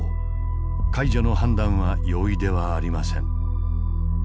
解除の判断は容易ではありません。